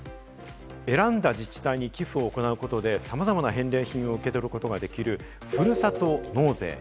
選んだ自治体に寄付を行うことで、さまざまな返礼品を受け取ることができる、ふるさと納税。